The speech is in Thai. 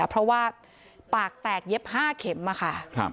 เพราะว่าปากแตกเย็บ๕เข็มค่ะ